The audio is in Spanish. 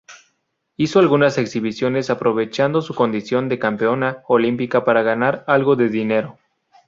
Hizo algunas exhibiciones aprovechando su condición de campeona olímpica para ganar algo de dinero.